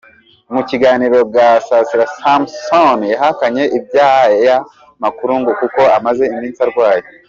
Mu kiganiro na Gasasira Samson yahakanye iby’aya makuru ngo kuko amaze iminsi arwaye.